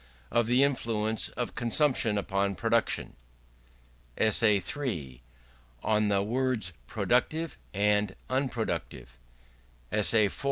Of the Influence of Consumption upon Production ESSAY III. On the Words Productive and Unproductive ESSAY IV.